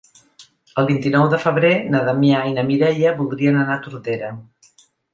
El vint-i-nou de febrer na Damià i na Mireia voldrien anar a Tordera.